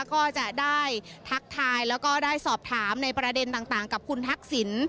ก็จะได้ทักทายแล้วก็ได้สอบถามในประเด็นต่างกับคุณทักษิณ